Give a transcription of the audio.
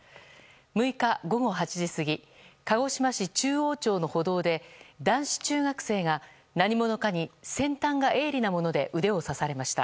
６日午後８時過ぎ鹿児島市中央町の歩道で男子中学生が何者かに先端が鋭利なもので腕を刺されました。